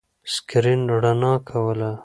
سکرین رڼا کوله.